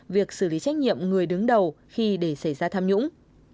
việc xử lý trách nhiệm người đứng đầu khi để xảy ra tham nhũng